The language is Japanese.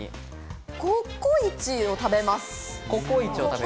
ココイチを食べます。